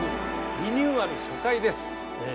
リニューアル初回です。